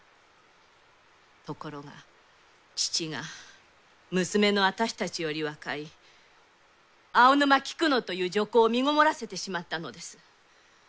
ところが父が娘の私たちより若い青沼菊乃という女工を身ごもらせてしまったのです。